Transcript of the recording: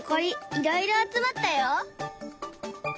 いろいろ集まったよ。